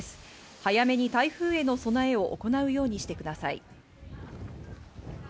早めに台風への備えを行うようにしてください。